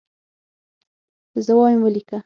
زه وایم ولیکه.